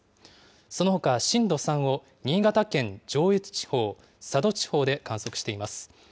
そのほか、震度３を新潟県上越地方、佐渡地方で観測しています。